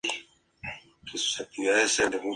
El río desemboca en la costa este del lago de Maracaibo.